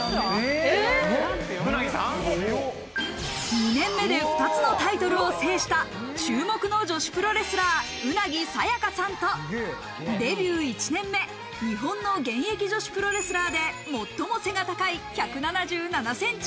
２年目で２つのタイトルを制した注目の女子プロレスラー、ウナギ・サヤカさんとデビュー１年目、日本の現役女子プロレスラーで最も背が高い１７７ｃｍ。